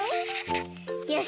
よし！